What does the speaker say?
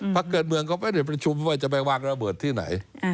เกิดเมืองก็ไม่ได้ประชุมว่าจะไปวางระเบิดที่ไหน